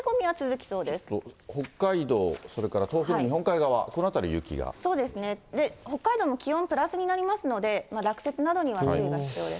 ちょっと北海道、それから東そうですね、北海道も気温プラスになりますので、落雪などには注意が必要です。